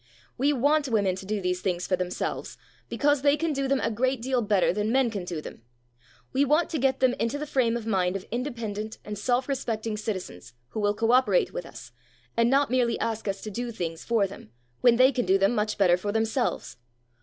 We want women to do these things for themselves, because they can do them a great deal better than men can do them. We want to get them into the frame of mind of independent and self respecting citizens who will co operate with us, and not merely ask us to do things for them, when they can do them much better for themselves.